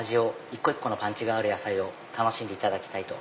一個一個のパンチがある野菜を楽しんでいただきたいと。